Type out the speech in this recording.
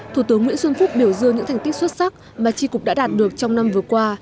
thủ tướng nguyễn xuân phúc biểu dương những thành tích xuất sắc mà tri cục đã đạt được trong năm vừa qua